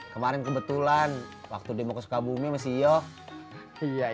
kemarin kebetulan waktu dia mau ke sukabumi masih yof